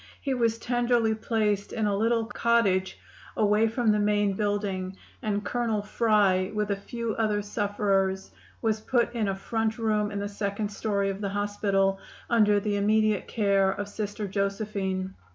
He was tenderly placed in a little cottage away from the main building, and Colonel Fry, with a few other sufferers, was put in a front room in the second story of the hospital, under the immediate care of Sister Josephine.